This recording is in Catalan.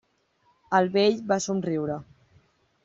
El vell va somriure.